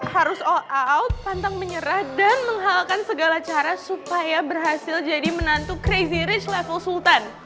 harus all out pantang menyerah dan menghalalkan segala cara supaya berhasil jadi menantu crazy rich level sultan